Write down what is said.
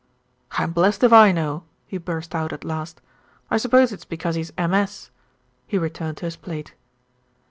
"I'm blessed if I know," he burst out at last. "I suppose it's because he's 'M.S.,'" and he returned to his plate.